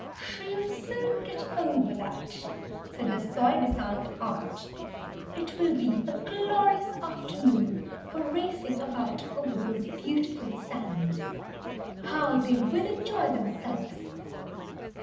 "She'll soon get over that," said the soi disant aunt; "it will be a glorious afternoon for racing about over those beautiful sands. How they will enjoy themselves!"